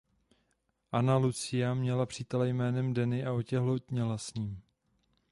Ana Lucia měla přítele jménem Danny a otěhotněla s ním.